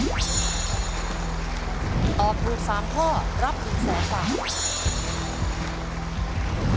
ตอบกลุ่นสามข้อรับหนึ่งแสนบาท